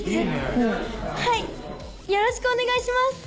うんはいよろしくお願いします